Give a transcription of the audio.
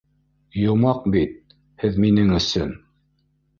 Йомаҡ бит һеҙ минең өсөн